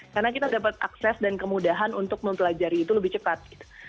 karena kita dapat akses dan kemudahan untuk mempelajari itu lebih cepat gitu